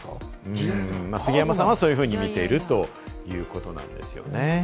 杉山さんはそう見ているということなんですね。